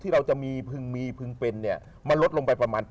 เพิ่งมีเพิ่งเป็นมันลดลงไปประมาณ๘๐